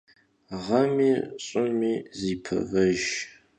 Ğemi ş'ımi zi pavej.